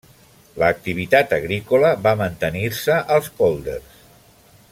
L'activitat agrícola va mantenir-se als pòlders.